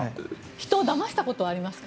人をだましたことはありますか？